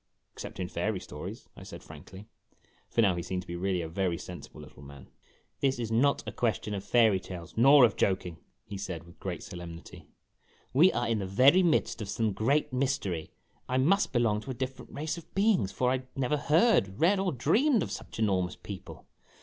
except in fairy stories," I said frankly, for now he seemed to be really a very sensible little man. "This is not a question of fairy tales, nor of joking !" he said, with great solemnity. "We are in the very midst of some great mystery. I must belong to a different race of beings for I never heard, read, or dreamed of such enormous people.